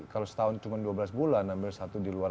kalau setahun cuma dua belas bulan ambil satu di luar